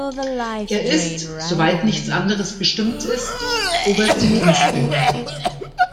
Er ist, soweit nichts anderes bestimmt ist, oberste Dienstbehörde.